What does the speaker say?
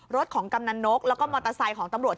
รถของกำนันนกแล้วก็มอเตอร์ไซค์ของตำรวจ